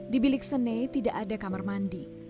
di bilik sene tidak ada kamar mandi